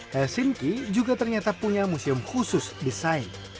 helsinki juga ternyata punya museum khusus desain